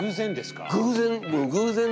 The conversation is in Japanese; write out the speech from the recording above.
偶然。